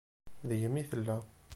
Deg-m i tella.